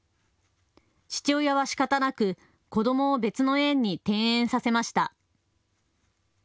父親はしかたなく子どもを別の園に転園させました。